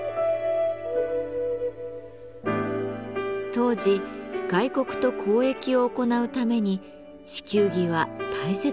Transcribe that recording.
当時外国と交易を行うために地球儀は大切な情報源でした。